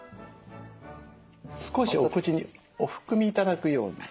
少しお口にお含み頂くように。